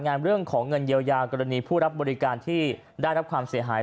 งานเรื่องของเงินเยียวยากรณีผู้รับบริการที่ได้รับความเสียหาย